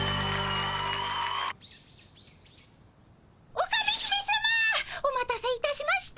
オカメ姫さまお待たせいたしました。